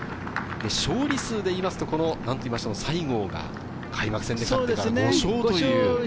勝利数で言いますと、西郷が開幕戦で勝ってから５勝。